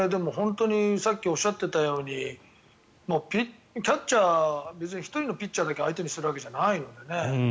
本当にさっきおっしゃっていたようにキャッチャー別に１人のピッチャーだけ相手にするわけではないので。